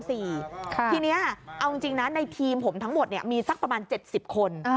ทีนี้เอาจริงนะในทีมผมทั้งหมดมีสักประมาณ๗๐คน